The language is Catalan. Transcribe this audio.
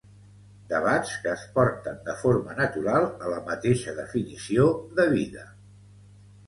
Debats que es porten de forma natural a la mateixa definició de vida.